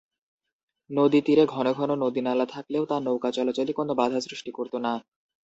নদীতীরে ঘন ঘন নদীনালা থাকলেও তা নৌকা চলাচলে কোনো বাধা সৃষ্টি করত না।